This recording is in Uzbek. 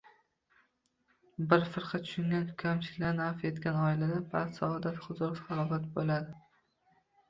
Bir-birini tushungan, kamchiliklarini avf etgan oilada baxt-saodat, huzur-halovat bo‘ladi.